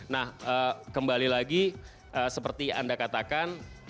nah kembali lagi seperti anda katakan